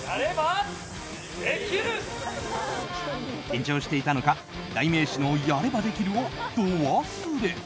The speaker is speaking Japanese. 緊張していたのか代名詞のやればできるをド忘れ。